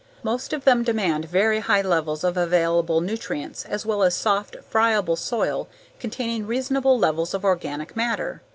Most of them demand very high levels of available nutrients as well as soft, friable soil containing reasonable levels of organic matter.